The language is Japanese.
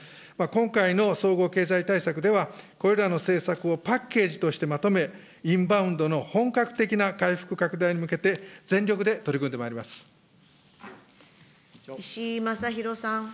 今回の総合経済対策では、これらの政策をパッケージとしてまとめ、インバウンドの本格的な回復拡大に向けて、全力で取り組んでまい石井正弘さん。